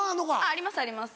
ありますあります